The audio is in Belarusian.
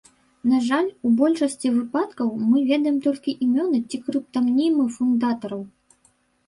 На жаль, у большасці выпадкаў мы ведаем толькі імёны ці крыптанімы фундатараў.